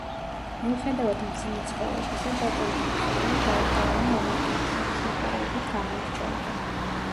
მიუხედავად მძიმე ცხოვრებისა, ბატონი მიხეილი დაუღალავი ენერგიით, შრომისმოყვარეობით გამოირჩეოდა.